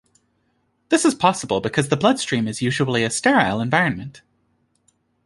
This is possible because the bloodstream is usually a sterile environment.